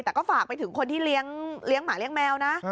แต่ก็ฝากไปถึงคนที่เลี้ยงหมาเลี้ยงแมวนะ